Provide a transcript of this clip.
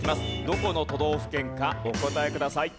どこの都道府県かお答えください。